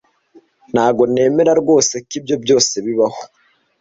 Ntabwo nemera rwose ko ibyo byose bibaho.